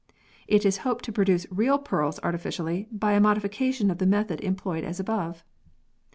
It is hoped to produce real pearls artificially by a modification of the method employed as above.